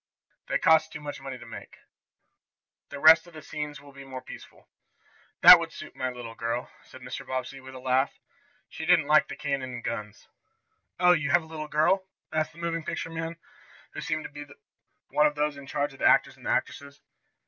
They cost too much money to make. The rest of the scenes will be more peaceful." "That would suit my little girl," said Mr. Bobbsey, with a laugh. "She didn't like the cannon and guns." "Oh, have you a little girl?" asked the moving picture man, who seemed to be one of those in charge of the actors and actresses.